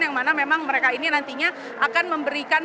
yang mana memang mereka ini nantinya akan memberikan